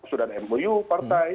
sudah ada mou partai